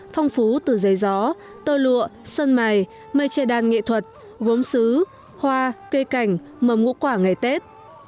phong phú từ giấy gió tơ lụa sơn mài mây che đan nghệ thuật gốm xứ hoa cây cảnh mầm ngũ quả ngày tết